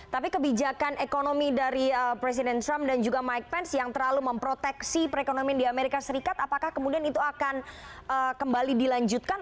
tapi kebijakan ekonomi dari presiden trump dan juga mike pence yang terlalu memproteksi perekonomian di amerika serikat apakah kemudian itu akan kembali dilanjutkan